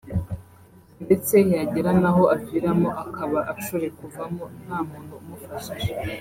ndetse yagera n’ aho aviramo akaba ashore kuvamo nta muntu umufashije”